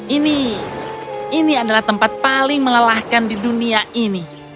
ini ini adalah tempat paling melelahkan di dunia ini